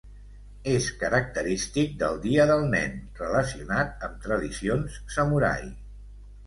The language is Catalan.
És característic del Dia del Nen, relacionat amb tradicions samurai.